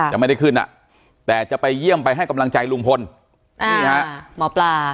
จะไม่ได้ขึ้นอ่ะแต่จะไปเยี่ยมไปให้กำลังใจลุงพลนี่ฮะหมอปลา